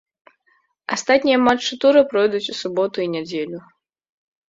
Астатнія матчы тура пройдуць у суботу і нядзелю.